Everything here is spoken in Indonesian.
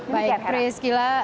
baik chris gila